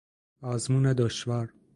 آزمون دشوار